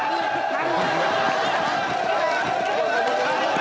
何？